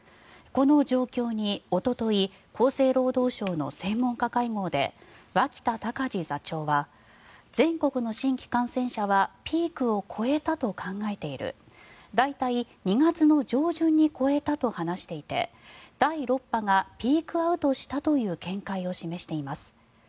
この状況におととい厚生労働省の専門家会合で脇田隆字座長は全国の新規感染者はピークを越えたと考えている大体２月の上旬に越えたと話していて第６波がピークアウトしたという見解を示しています。